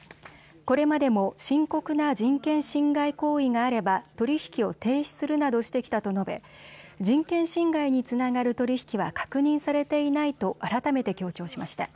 これまでも深刻な人権侵害行為があれば取り引きを停止するなどしてきたと述べ人権侵害につながる取り引きは確認されていないと改めて強調しました。